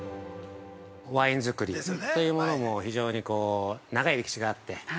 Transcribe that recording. ワインづくりというものも非常に長い歴史があって。